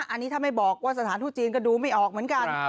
อันนี้ถ้าไม่บอกว่าสถานทูตจีนก็ดูไม่ออกเหมือนกัน